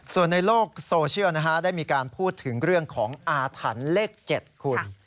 ส่วนในโลกโซเชียลได้มีการพูดถึงเรื่องของอาถรรพ์เลข๗คุณ